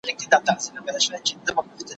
که هوس دئ، نو دي بس دئ.